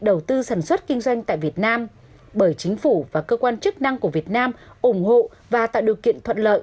đầu tư sản xuất kinh doanh tại việt nam bởi chính phủ và cơ quan chức năng của việt nam ủng hộ và tạo điều kiện thuận lợi